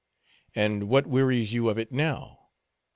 '" "And what wearies you of it now?"